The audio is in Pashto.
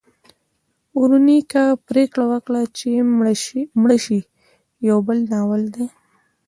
ورونیکا پریکړه وکړه چې مړه شي یو بل ناول دی.